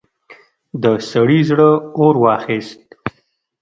د سړي زړه اور واخيست.